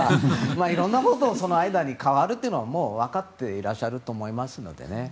いろんなことをその間に変わるというのは分かってらっしゃると思いますのでね。